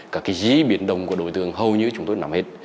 các cái dí biển đồng của đối tượng hầu như chúng tôi nằm hết